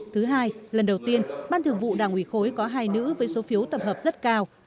thứ hai lần đầu tiên ban thường vụ đảng ủy khối có hai nữ với số phiếu tập hợp rất cao